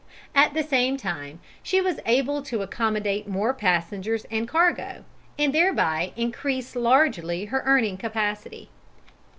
At the same time she was able to accommodate more passengers and cargo, and thereby increase largely her earning capacity.